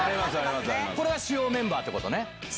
これが主要メンバーってことね。